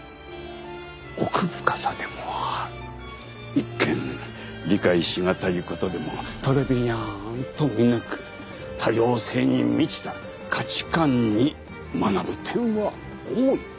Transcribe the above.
一見理解しがたい事でもトレビアンと見抜く多様性に満ちた価値観に学ぶ点は多い。